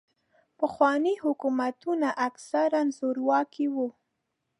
پخواني حکومتونه اکثراً زورواکي وو.